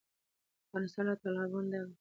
افغانستان له تالابونه ډک دی.